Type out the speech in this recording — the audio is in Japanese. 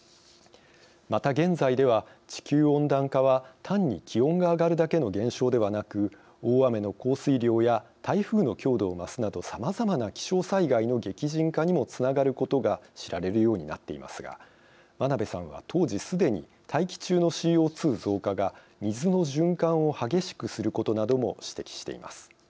また、現在では地球温暖化は単に気温が上がるだけの現象ではなく大雨の降水量や台風の強度を増すなどさまざまな気象災害の激甚化にもつながることが知られるようになっていますが真鍋さんは当時、既に大気中のＣＯ２増加が水の循環を激しくすることなども指摘しています。